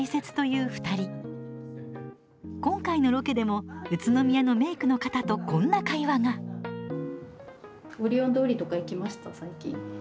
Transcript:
今回のロケでも宇都宮のメークの方とこんな会話がオリオン通りとか行きました最近？